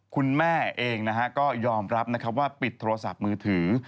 คุณแม่เองก็ยอมรับนะครับว่าปิดโทรศัพท์มือถือ